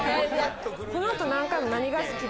このあと何回も何が好き？